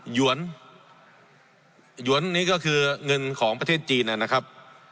หวนหยวนนี้ก็คือเงินของประเทศจีนนะครับ